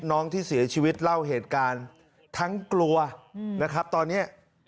น้องที่เสียชีวิตเล่าเหตุการณ์ทั้งกลัวนะครับตอนนี้